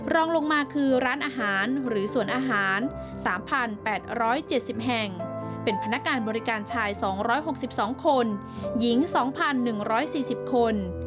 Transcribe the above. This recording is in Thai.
รองลงมาคือร้านอาหารหรือสวนอาหาร๓๘๗๐แห่งเป็นพนักงานบริการชาย๒๖๒คนหญิง๒๑๔๐คน